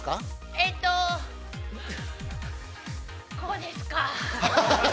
◆ええとこうですか。